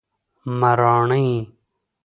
مراڼی